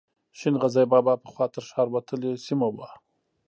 شین غزي بابا پخوا تر ښار وتلې سیمه وه.